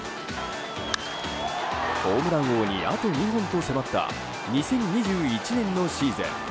ホームラン王にあと２本と迫った２０２１年のシーズン。